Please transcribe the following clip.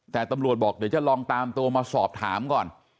แต่ตำรวจบอกเดี๋ยวจะลองตามตัวมาสอบถามก่อน